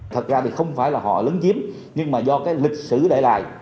thật ra thì không phải là họ lớn chiếm nhưng mà do cái lịch sử để lại